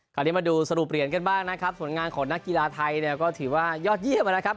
มาดูสรุปเหรียญกันบ้างนะครับผลงานของนักกีฬาไทยเนี่ยก็ถือว่ายอดเยี่ยมนะครับ